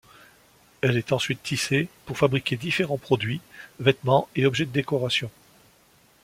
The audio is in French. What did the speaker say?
Elle est ensuite tissée pour fabriquer différents produits, vêtements et objets de décoration.